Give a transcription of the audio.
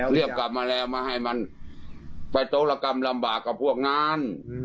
เรียบกลับมาให้มาตรกรรมรำบากกับพวกงาน